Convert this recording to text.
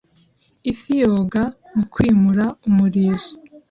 Ifi yoga mu kwimura umurizo.